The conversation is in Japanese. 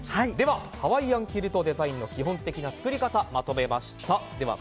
ではハワイアンキルトデザインの基本的な作り方まとめました。